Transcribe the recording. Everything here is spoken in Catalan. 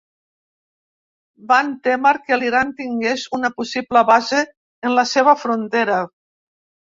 Van témer que l’Iran tingués una possible base en la seva frontera.